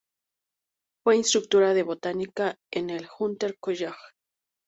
Fue instructora de Botánica en el "Hunter College".